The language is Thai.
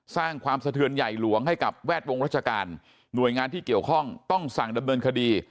สร้างความสะเทือนใหญ่หลวงให้กับแวดวงราชการหน่วยงานที่เกี่ยวข้องต้องสั่งดำเนินคดี